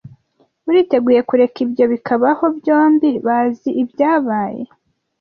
Uriteguye kureka ibyo bikabaho? Bombi bazi ibyabaye.